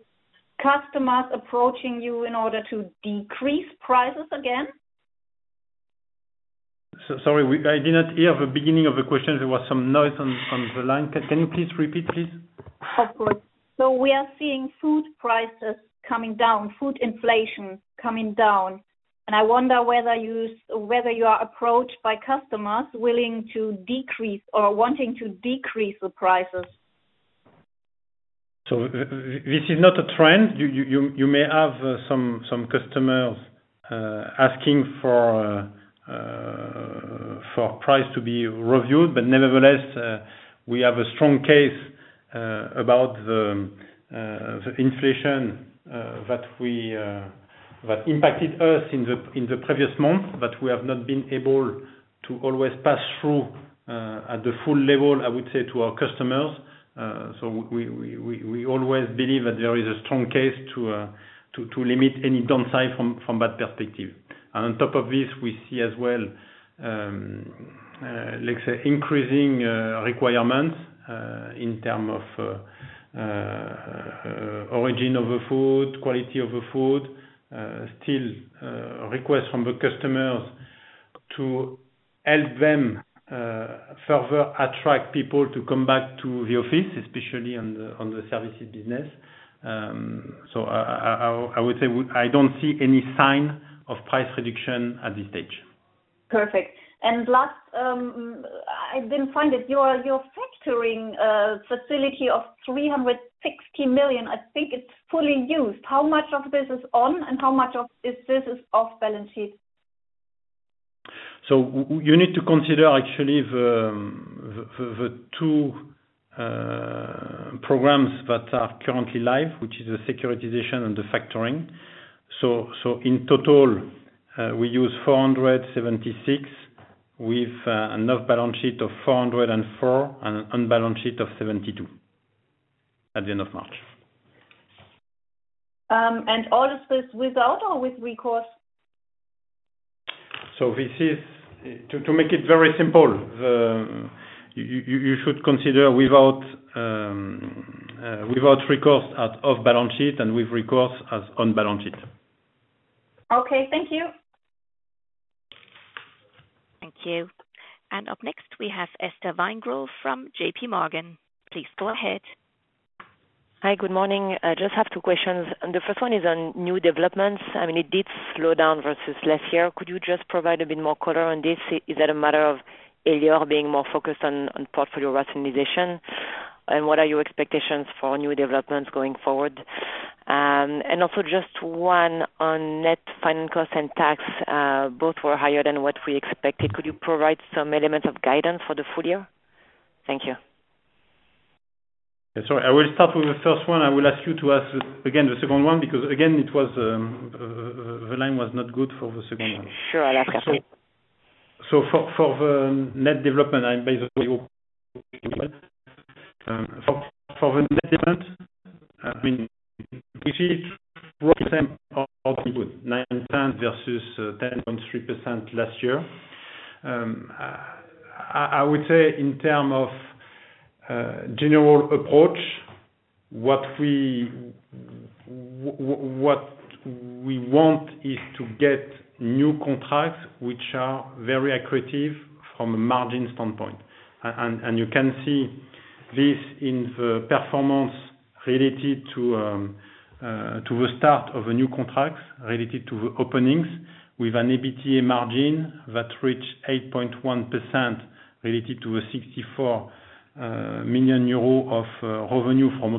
customers approaching you in order to decrease prices again? Sorry, I did not hear the beginning of the question. There was some noise on the line. Can you please repeat, please? Of course. So we are seeing food prices coming down, food inflation coming down, and I wonder whether you, whether you are approached by customers willing to decrease or wanting to decrease the prices? So this is not a trend. You may have some customers asking for price to be reviewed, but nevertheless, we have a strong case about the inflation that impacted us in the previous month, but we have not been able to always pass through at the full level, I would say, to our customers. So we always believe that there is a strong case to limit any downside from that perspective. On top of this, we see as well, let's say increasing requirements in terms of origin of the food, quality of the food, still requests from the customers to help them further attract people to come back to the office, especially on the services business. So I would say I don't see any sign of price reduction at this stage. Perfect. And last, I didn't find that your, your factoring facility of 360 million, I think it's fully used. How much of this is on, and how much of this is off balance sheet? So you need to consider actually the two programs that are currently live, which is the securitization and the factoring. So in total, we use 476, with enough balance sheet of 404, and on balance sheet of 72, at the end of March. And all of this without or with recourse? So this is to make it very simple. You should consider without recourse as off-balance sheet, and with recourse as on-balance sheet. Okay, thank you. Thank you. Up next, we have Estelle Weingrod from JPMorgan. Please go ahead. Hi, good morning. I just have two questions, and the first one is on new developments. I mean, it did slow down vs last year. Could you just provide a bit more color on this? Is that a matter of Elior being more focused on, on portfolio rationalization? And what are your expectations for new developments going forward? And also just one on net financial costs and tax, both were higher than what we expected. Could you provide some element of guidance for the full year? Thank you. Yeah, sorry. I will start with the first one. I will ask you to ask again the second one, because again, the line was not good for the second one. Sure, that's okay. So for the net development, and basically, for the net development, I mean, we see 9.9 vs 10.3% last year. I would say in terms of general approach, what we want is to get new contracts, which are very accretive from a margin standpoint. And you can see this in the performance related to the start of the new contracts, related to the openings, with an EBITDA margin that reached 8.1%, related to the 64 million euro of revenue from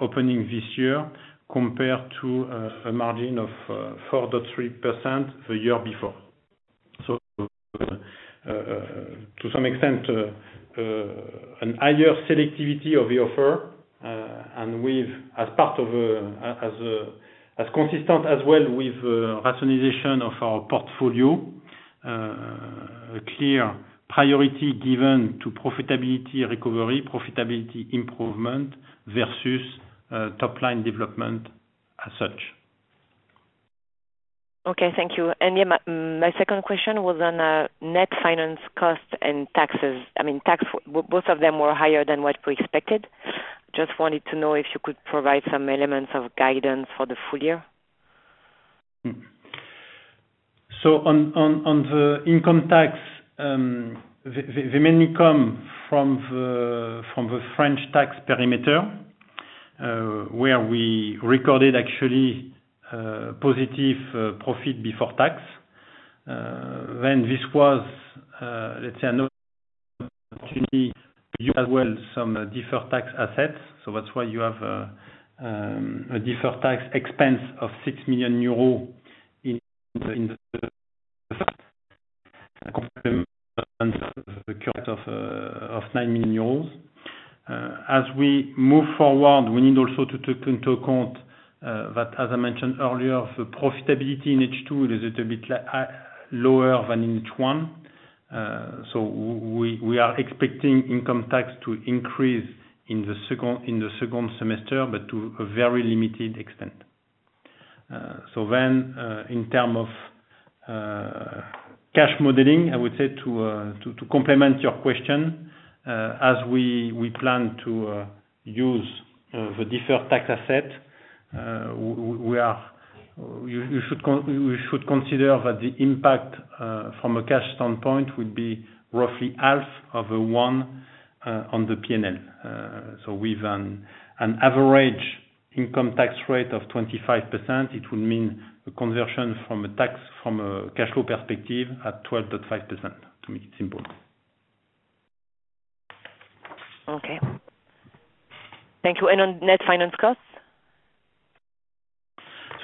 openings this year, compared to a margin of 4.3% the year before. To some extent, a higher selectivity of the offer, and with as part of a as consistent as well with rationalization of our portfolio, a clear priority given to profitability recovery, profitability improvement vs top line development as such. Okay, thank you. And yeah, my second question was on net finance cost and taxes. I mean, both of them were higher than what we expected. Just wanted to know if you could provide some elements of guidance for the full year? So on the income tax, they mainly come from the French tax perimeter, where we recorded actually positive profit before tax. Then this was let's say another opportunity use as well some deferred tax assets. So that's why you have a deferred tax expense of 6 million euros in the current of 9 million euros. As we move forward, we need also to take into account that as I mentioned earlier the profitability in H2 is a little bit lower than in H1. So we are expecting income tax to increase in the second semester but to a very limited extent. So then, in terms of cash modeling, I would say to complement your question, as we plan to use the deferred tax asset, you should consider that the impact from a cash standpoint would be roughly half of the one on the P&L. So with an average income tax rate of 25%, it would mean a conversion from a tax to a cash flow perspective at 12.5%, to make it simple. Okay. Thank you, and on net finance costs?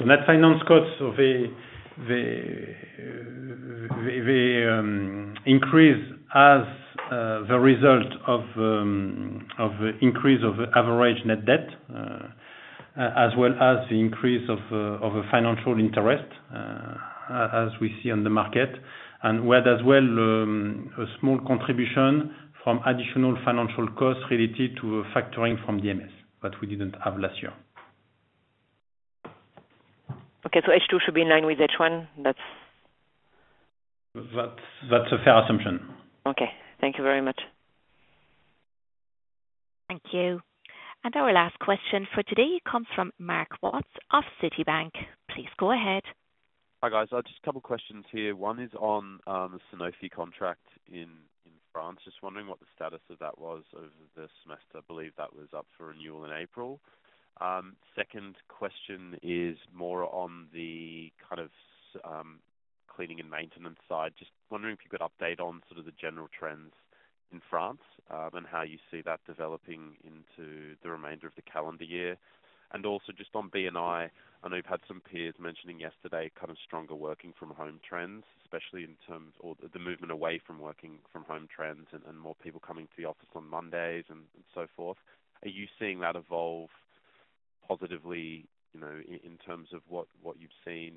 So net finance costs increase as the result of increase of average net debt as well as the increase of a financial interest as we see on the market. And we had as well a small contribution from additional financial costs related to factoring from DMS, that we didn't have last year. Okay, so H2 should be in line with H1, that's- That's a fair assumption. Okay. Thank you very much. Thank you. Our last question for today comes from Mark Watts of Citibank. Please go ahead. Hi, guys. Just a couple questions here. One is on the Sanofi contract in France. Just wondering what the status of that was over the semester. I believe that was up for renewal in April. Second question is more on the kind of cleaning and maintenance side. Just wondering if you could update on sort of the general trends in France, and how you see that developing into the remainder of the calendar year. And also just on B&I, I know you've had some peers mentioning yesterday, kind of stronger working from home trends, especially in terms of the movement away from working from home trends and more people coming to the office on Mondays and so forth. Are you seeing that evolve positively, you know, in terms of what you've seen,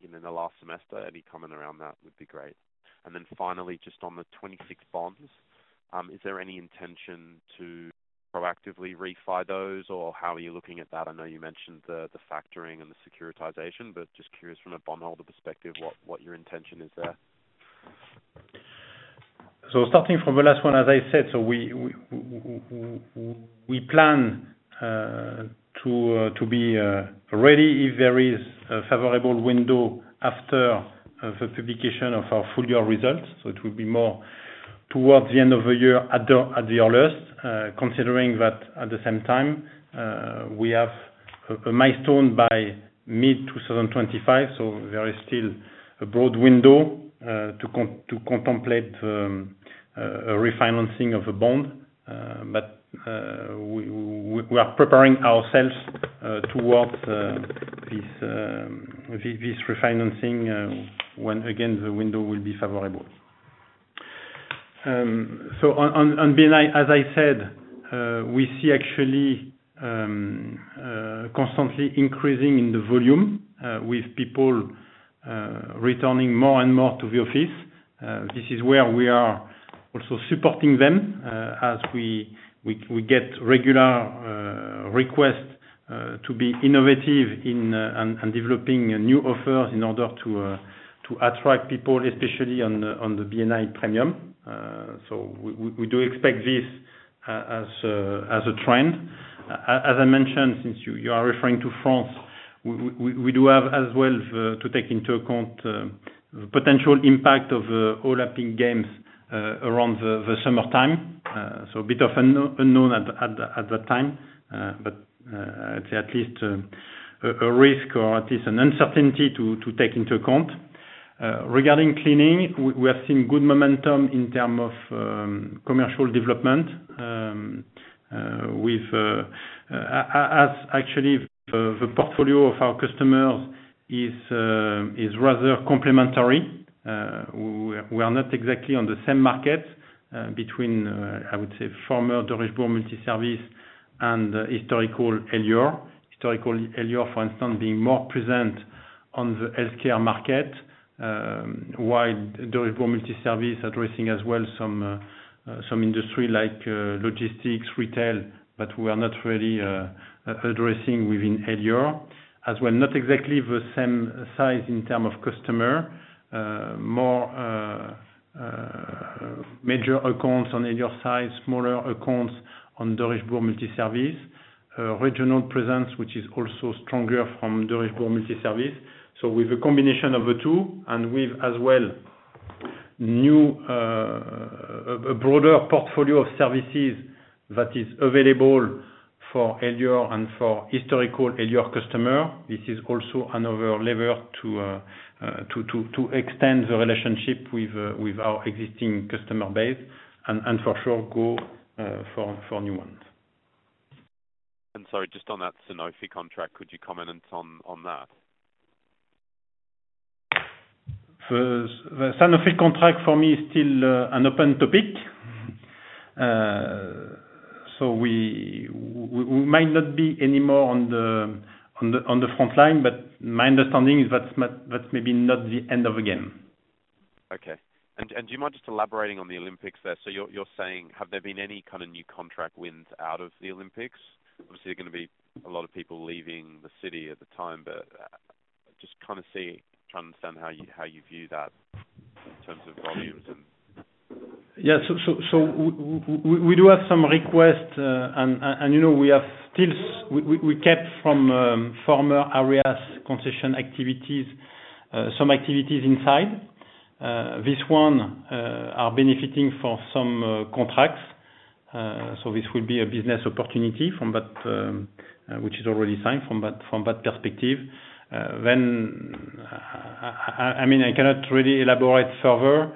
you know, in the last semester? Any comment around that would be great. And then finally, just on the 2026 bonds, is there any intention to proactively refi those, or how are you looking at that? I know you mentioned the factoring and the securitization, but just curious from a bondholder perspective, what your intention is there? So starting from the last one, as I said, so we plan to be ready if there is a favorable window after the publication of our full year results. So it will be more towards the end of the year, at the earliest. Considering that at the same time, we have a milestone by mid-2025, so there is still a broad window to contemplate a refinancing of the bond. But we are preparing ourselves towards this refinancing when again, the window will be favorable. So on B&I, as I said, we see actually constantly increasing in the volume with people returning more and more to the office. This is where we are also supporting them, as we get regular request to be innovative in and developing new offers in order to attract people, especially on the B&I premium. So we do expect this as a trend. As I mentioned, since you are referring to France, we do have as well to take into account potential impact of Olympic Games around the summertime. So a bit of unknown at that time, but it's at least a risk or at least an uncertainty to take into account. Regarding cleaning, we are seeing good momentum in term of commercial development. With, as actually, the portfolio of our customers is rather complementary. We are not exactly on the same market between, I would say, former Derichebourg Multiservices and historical Elior. Historical Elior, for instance, being more present on the healthcare market, while Derichebourg Multiservices addressing as well some industry like logistics, retail, but we are not really addressing within Elior. As well, not exactly the same size in term of customer, more major accounts on Elior side, smaller accounts on Derichebourg Multiservices. Regional presence, which is also stronger from Derichebourg Multiservices. So with a combination of the two, and with as well, new a broader portfolio of services that is available for Elior and for historical Elior customer, this is also another lever to extend the relationship with our existing customer base, and for sure go for new ones. Sorry, just on that Sanofi contract, could you comment on, on that? The Sanofi contract for me is still an open topic. So we might not be anymore on the front line, but my understanding is that's maybe not the end of the game. Okay. And, and do you mind just elaborating on the Olympics there? So you're, you're saying, have there been any kind of new contract wins out of the Olympics? Obviously, there are gonna be a lot of people leaving the city at the time, but just kinda see, try and understand how you, how you view that in terms of volumes and- Yeah. So, we do have some requests, and you know, we have still kept from former Areas, concession activities, some activities inside. This one are benefiting from some contracts. So this will be a business opportunity from that, which is already signed from that perspective. Then, I mean, I cannot really elaborate further,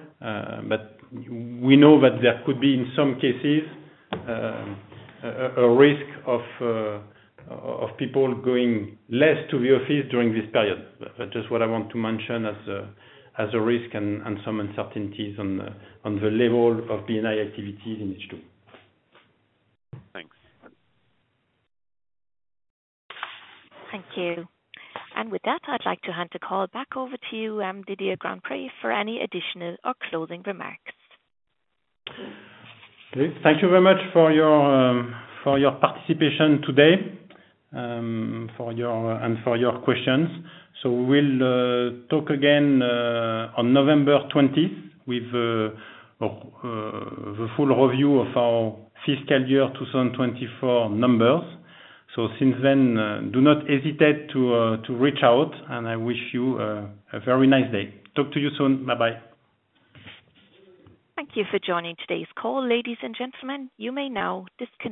but we know that there could be, in some cases, a risk of people going less to the office during this period. That's just what I want to mention as a risk and some uncertainties on the level of B&I activities in H2. Thanks. Thank you. With that, I'd like to hand the call back over to you, Didier Grandpré, for any additional or closing remarks. Okay. Thank you very much for your participation today and for your questions. So we'll talk again on November 20th with the full review of our fiscal year 2024 numbers. So since then, do not hesitate to reach out, and I wish you a very nice day. Talk to you soon. Bye-bye. Thank you for joining today's call, ladies and gentlemen. You may now disconnect.